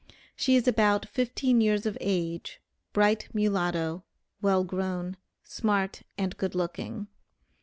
She is about fifteen years of age, bright mulatto, well grown, smart and good looking.